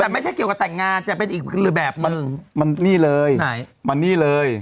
ไม่ใช่ตอนนั้นมันเคยเกิดว่านี่